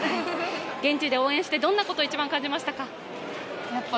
現地で応援して、どんなことを一番感じましたか？